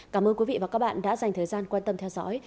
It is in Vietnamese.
cảm ơn quý vị và các bạn đã dành thời gian quan tâm theo dõi